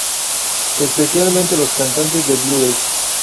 Especialmente los cantantes de Blues.